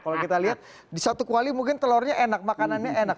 kalau kita lihat di satu kuali mungkin telurnya enak makanannya enak